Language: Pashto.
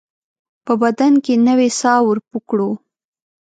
په بدن کې نوې ساه ورپو کړو